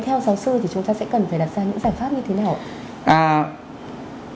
theo giáo sư thì chúng ta sẽ cần phải đặt ra những giải pháp như thế nào ạ